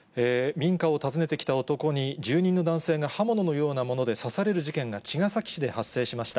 民家を訪ねてきた男に、住人の男性が刃物のようなもので刺される事件が茅ヶ崎市で発生しました。